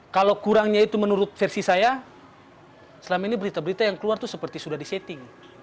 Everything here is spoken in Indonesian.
kalau kurangnya itu menurut versi saya selama ini berita berita yang keluar itu seperti sudah disetting